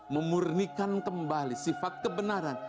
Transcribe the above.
memurnikan kembali sifat kebenaran